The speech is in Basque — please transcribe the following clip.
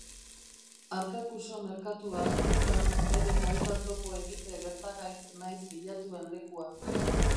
Arkakuso Merkatua, izan, berez baita topo-egite gertagaitz nahiz bilatuen lekua.